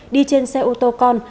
đi trên xe ô tô con